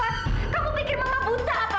kamu pikir mama buta apa